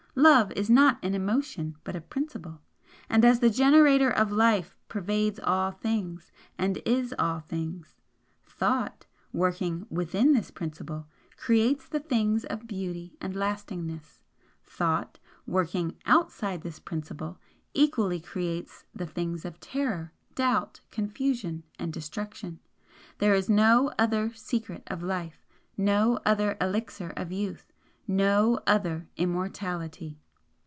Love is not an Emotion but a Principle, and as the generator of Life pervades all things, and is all things. Thought, working WITHIN this Principle, creates the things of beauty and lastingness, Thought, working OUTSIDE this Principle, equally creates the things of terror, doubt, confusion, and destruction. There is no other Secret of Life no other Elixir of Youth no other Immortality!'"